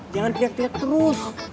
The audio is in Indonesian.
jangan teriak teriak terus